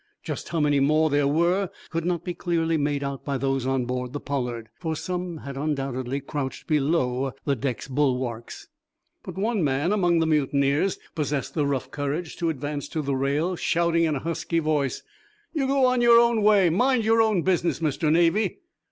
Just how many more there were, could not be clearly made out by those on board the "Pollard," for some had undoubtedly crouched below the deck bulwarks. But one man among the mutineers possessed the rough courage to advance to the rail, shouting in a husky voice: "You go on your way, and mind your own business, Mr. Navy!"